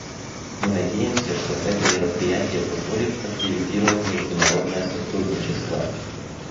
Мы надеемся, что это мероприятие позволит активизировать международное сотрудничество.